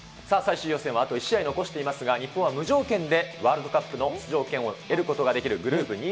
さあ、最終予選はあと１試合残していますが、日本は無条件でワールドカップの出場権を得ることができるグループ